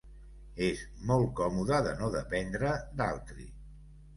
És molt còmode de no dependre d'altri.